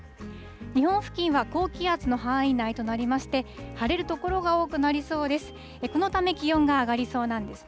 日本付近は高気圧の範囲内となりまして、晴れる所が多くなりそうです。